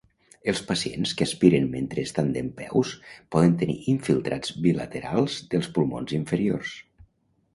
Els pacients que aspiren mentre estan dempeus poden tenir infiltrats bilaterals dels pulmons inferiors.